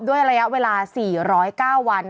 ด้วยระยะเวลา๔๐๙วัน